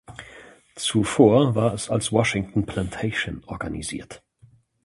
Zuvor war es als Washington Plantation organisiert.